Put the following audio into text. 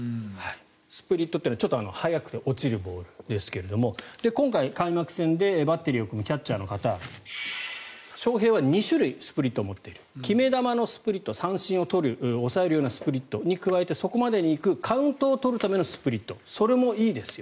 スプリットというのはちょっと速く落ちるボールですが今回、開幕戦でバッテリーを組むキャッチャーの方翔平は２種類スプリットを持っている決め球のスプリット三振を取る抑えるようなスプリットに加えてそこまでにいくカウントを取るためのスプリットそれもいいですよ